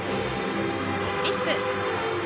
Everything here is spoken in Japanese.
リスク。